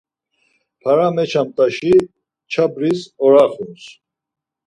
Para meçamt̆aşi, çarbis araxuns